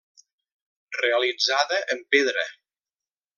Realitzada en pedra.